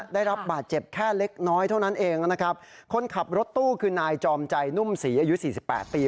ได้รับบาดเจ็บแค่เล็กน้อยเท่านั้นเองนะครับคนขับรถตู้คือนายจอมใจนุ่มศรีอายุสี่สิบแปดปี